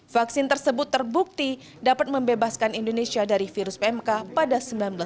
vaksin tersebut terbukti dapat membebaskan indonesia dari virus pmk pada seribu sembilan ratus sembilan puluh